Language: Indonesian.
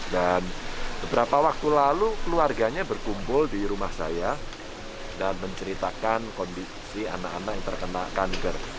beberapa waktu lalu keluarganya berkumpul di rumah saya dan menceritakan kondisi anak anak yang terkena kanker